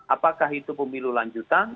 apakah itu pemilu lanjutan